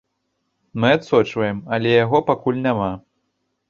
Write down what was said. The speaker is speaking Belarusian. Мы адсочваем, але яго пакуль няма.